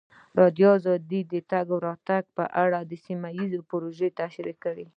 ازادي راډیو د د تګ راتګ ازادي په اړه سیمه ییزې پروژې تشریح کړې.